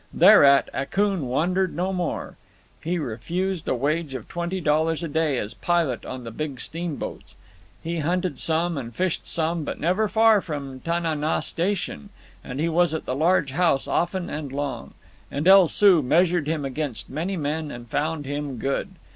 Thereat, Akoon wandered no more. He refused a wage of twenty dollars a day as pilot on the big steamboats. He hunted some and fished some, but never far from Tana naw Station, and he was at the large house often and long. And El Soo measured him against many men and found him good.